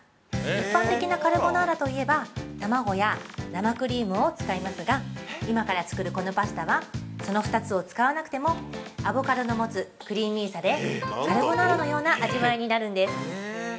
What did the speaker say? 一般的なカルボナーラと言えば卵や生クリームを使いますが今から作るこのパスタは、その２つを使わなくてもアボカドの持つクリーミーさでカルボナーラのような味わいになるんです。